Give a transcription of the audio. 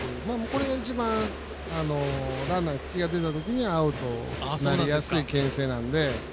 これが一番ランナーに隙が出た時にアウトなりやすい、けん制なんで。